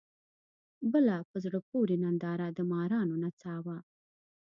بله په زړه پورې ننداره د مارانو نڅا وه.